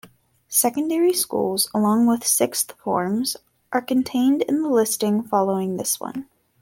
Secondary schools, along with sixth forms, are contained in the listing following this one.